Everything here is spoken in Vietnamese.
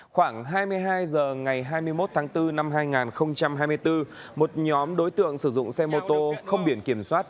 khoảng hai mươi hai h ngày hai mươi một tháng bốn năm hai nghìn hai mươi bốn một nhóm đối tượng sử dụng xe mô tô không biển kiểm soát